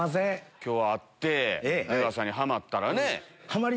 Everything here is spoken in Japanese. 今日会って出川さんにハマったらね。